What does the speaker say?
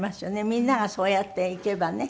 みんながそうやっていけばね。